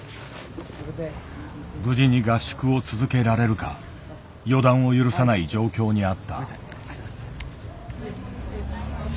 無事に合宿を続けられるか予断を許さない状況にあった。